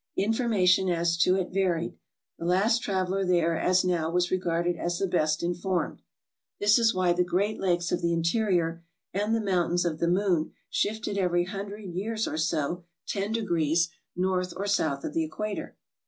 Information as to it varied. The last traveler there, as now, was regarded as the best informed. This is why the great lakes of the in terior and the Mountains of the Moon shifted every hundred years or so ten degrees north or south of the Equator.